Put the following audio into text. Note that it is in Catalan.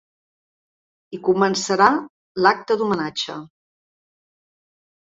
I començarà l’acte d’homenatge.